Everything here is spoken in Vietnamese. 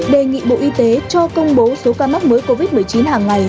đề nghị bộ y tế cho công bố số ca mắc mới covid một mươi chín hàng ngày